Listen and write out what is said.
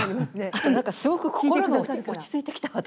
あと何かすごく心が落ち着いてきた私。